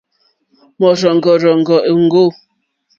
Mɔ̀rzɔ̀ŋɡɔ̀rzɔ̀ŋɡɔ̀ òŋɡô.